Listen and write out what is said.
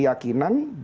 banyak yang berpikir